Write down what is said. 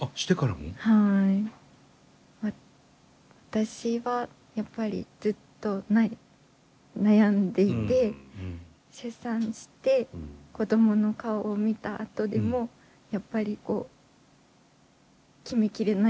私はやっぱりずっと悩んでいて出産して子供の顔を見たあとでもやっぱり決めきれないところがあって。